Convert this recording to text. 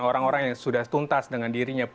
orang orang yang sudah setuntas dengan dirinya